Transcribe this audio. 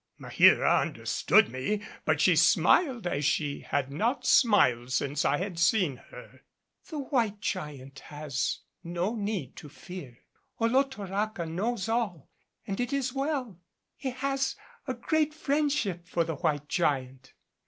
Maheera understood me, but she smiled as she had not smiled since I had seen her. "The White Giant has no need to fear. Olotoraca knows all, and it is well. He has a great friendship for the White Giant."